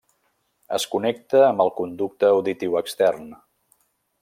Es connecta amb el conducte auditiu extern.